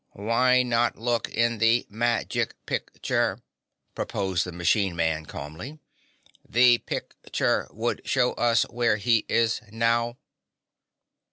"Why not look in the ma gic pic ture?" proposed the Machine Man calmly. "The pic ture would show us where he is now."